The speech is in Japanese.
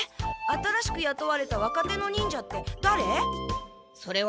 新しくやとわれた若手の忍者ってだれ？